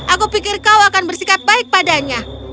aku pikir kau akan bersikap baik padanya